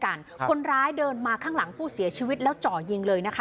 คนร้ายเดินมาข้างหลังผู้เสียชีวิตแล้วจ่อยิงเลยนะคะ